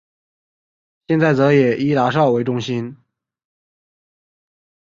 现在则以伊达邵为中心。